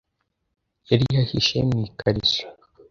yari yahishe mu ikariso